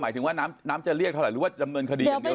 ถึงว่าน้ำจะเรียกเท่าไหร่หรือว่าดำเนินคดีอย่างเดียว